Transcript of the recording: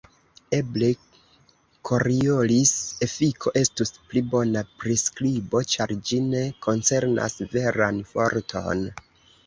Eble Koriolis-efiko estus pli bona priskribo, ĉar ĝi ne koncernas veran forton.